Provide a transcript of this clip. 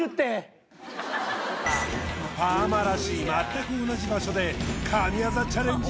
パーマらしい全く同じ場所で神業チャレンジ